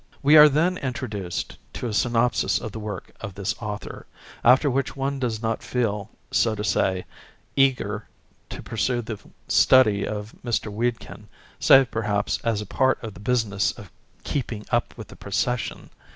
"We are then intro duced to a synopsis of the work of this author, after which one does not feel, so to say, ''eager" to pursue the study of Mr. Wedekind, save, perhaps, as a part of the business of "keeping up with the procession."